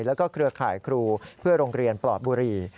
และเครือข่าคอล์เพื่อลงเรียนปรอบบุรี